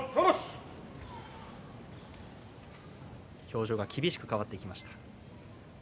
表情が厳しく変わっていきました。